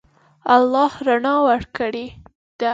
الله رڼا ورکړې ده.